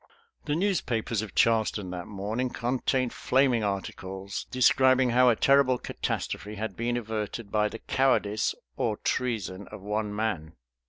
The newspapers of Charleston that morning contained flaming articles, describing how a terrible catastrophe had been averted by the cowardice or treason of one man.